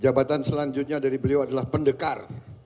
jabatan selanjutnya dari beliau adalah pendekar